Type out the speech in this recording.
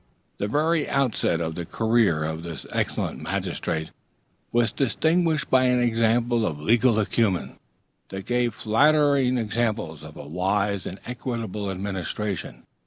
The very outset of the career of this excellent magistrate was distinguished by an example of legal acumen, that gave flattering presage of a wise and equitable administration.